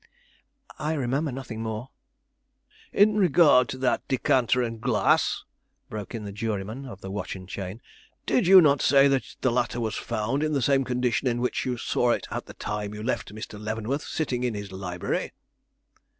"I remember nothing more." "In regard to that decanter and glass," broke in the juryman of the watch and chain, "did you not say that the latter was found in the same condition in which you saw it at the time you left Mr. Leavenworth sitting in his library?"